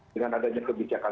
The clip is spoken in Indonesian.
dengan adanya kebijakan